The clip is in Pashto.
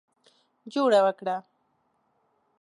جوړه وکړه.